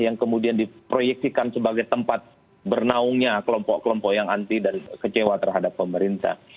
yang kemudian diproyeksikan sebagai tempat bernaungnya kelompok kelompok yang anti dan kecewa terhadap pemerintah